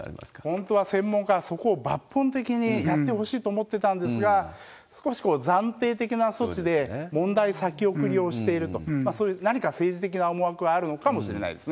本当は専門家はそこを抜本的にやってほしいと思ってたんですが、少し暫定的な措置で、問題先送りをしていると、何か政治的な思惑があるのかもしれないですね。